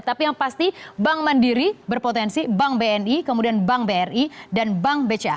tapi yang pasti bank mandiri berpotensi bank bni kemudian bank bri dan bank bca